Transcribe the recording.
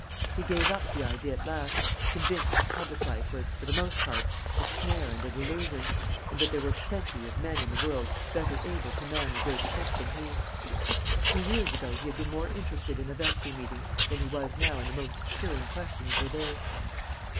He gave up the idea at last, convinced that public life was, for the most part, a snare and a delusion; and that there were plenty of men in the world better able to man the great ship than he. Two years ago he had been more interested in a vestry meeting than he was now in the most stirring question of the day.